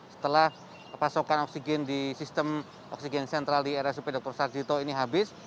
setelah pasokan oksigen di sistem oksigen sentral di rsup dr sarjito ini habis